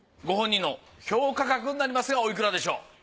ご本人の評価額になりますがおいくらでしょう？